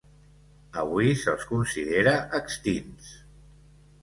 Avui se'ls considera extints.